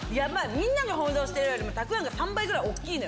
みんなが想像してるよりもたくあんが３倍ぐらい大きい。